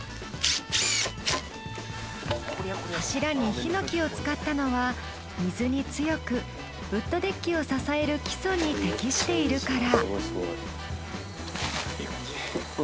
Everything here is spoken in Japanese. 柱にヒノキを使ったのは水に強くウッドデッキを支える基礎に適しているから。